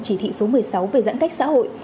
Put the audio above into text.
chỉ thị số một mươi sáu về giãn cách xã hội